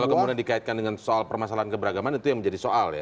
kalau kemudian dikaitkan dengan soal permasalahan keberagaman itu yang menjadi soal ya